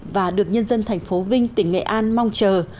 và được nhân dân thành phố vinh tỉnh nghệ an mong chờ